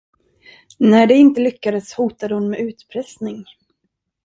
När det inte lyckades, hotade hon med utpressning.